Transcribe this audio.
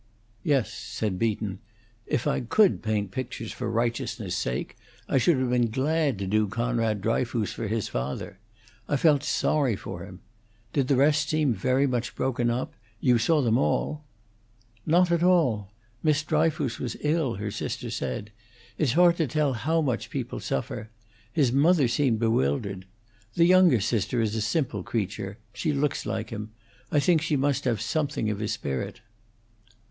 "Yes," said Beaton. "If I could paint pictures for righteousness' sake, I should have been glad to do Conrad Dryfoos for his father. I felt sorry for him. Did the rest seem very much broken up? You saw them all?" "Not all. Miss Dryfoos was ill, her sister said. It's hard to tell how much people suffer. His mother seemed bewildered. The younger sister is a simple creature; she looks like him; I think she must have something of his spirit."